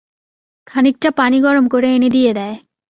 খানিকটা পানি গরম করে এনে দিয়ে দেয়।